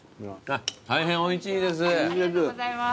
大変おいしいです。